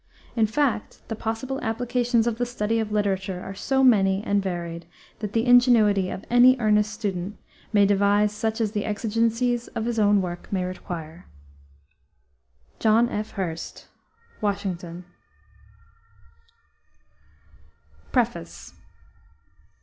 In fact, the possible applications of the study of literature are so many and varied that the ingenuity of any earnest student may devise such as the exigencies of his own work may require. JOHN F. HURST, Washington. PREFACE.